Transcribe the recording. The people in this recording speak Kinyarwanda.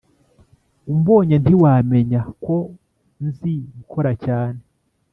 umbonye ntiwamenya ko nzi gukora cyane